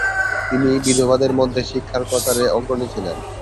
তিনি বিধবাদের মধ্যে শিক্ষার প্রচারে অগ্রণী ছিলেন।